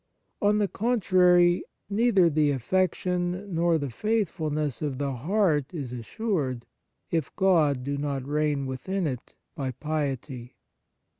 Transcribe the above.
On the contrary, neither the affection nor the faithfulness of the heart is assured, if God do not reign within it by piety.